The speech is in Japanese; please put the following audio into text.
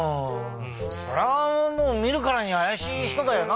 それはみるからにあやしい人だよな。